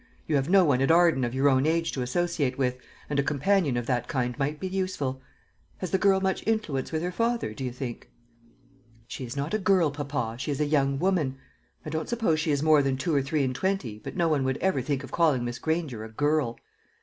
You have no one at Arden of your own age to associate with, and a companion of that kind might be useful. Has the girl much influence with her father, do you think?" "She is not a girl, papa, she is a young woman. I don't suppose she is more than two or three and twenty, but no one would ever think of calling Miss Granger a girl."